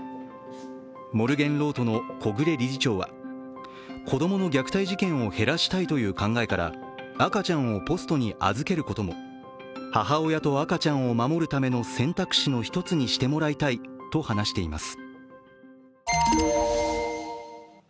モルゲンロートの小暮理事長は、子供の虐待事件を減らしたいという考えから赤ちゃんをポストに預けることも母親と赤ちゃんを守るための選択肢の１つにしてもらいたいと話しています。